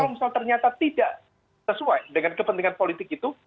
kalau misal ternyata tidak sesuai dengan kepentingan politik itu